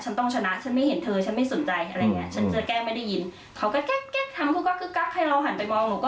จะเป็นยังไงเพราะเขาควบคุมอารมณ์ควบคุมความคิดเขาไม่ได้